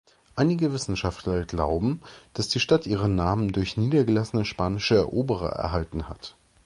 Einige Wissenschaftler glauben, dass die Stadt ihren Namen durch niedergelassene spanische Eroberer erhalten hat.